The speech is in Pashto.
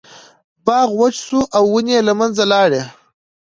باغ وچ شو او ونې یې له منځه لاړې.